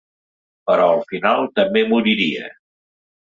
Però al final també moriria.